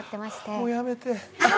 もうやめて。